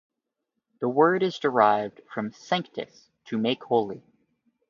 The word is derived from sanctus, to make holy.